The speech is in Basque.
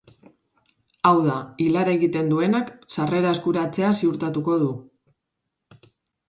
Hau da, ilara egiten duenak sarrera eskuratzea ziurtatuko du.